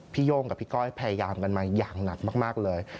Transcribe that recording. โย่งกับพี่ก้อยพยายามกันมาอย่างหนักมากเลย